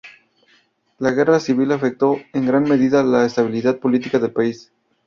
La guerra civil afectó en gran medida la estabilidad política del país.